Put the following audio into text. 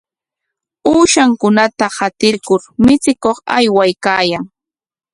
Ushankunata qatirkur michikuq aywaykan.